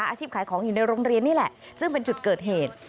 อาชีพขายของอยู่ในโรงเรียนนี่แหละซึ่งเป็นจุดเกิดเหตุ